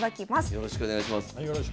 よろしくお願いします。